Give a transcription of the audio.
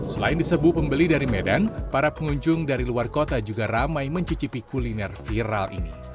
selain disebu pembeli dari medan para pengunjung dari luar kota juga ramai mencicipi kuliner viral ini